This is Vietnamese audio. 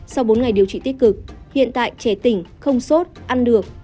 sau bốn ngày điều trị tích cực hiện tại trẻ tỉnh không sốt ăn được